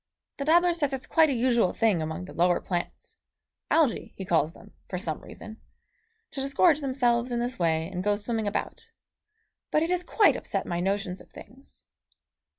The dabbler says it's quite a usual thing among the lower plants Algæ he calls them, for some reason to disgorge themselves in this way and go swimming about; but it has quite upset my notions of things.